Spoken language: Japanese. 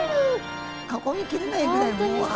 囲み切れないぐらいうわ。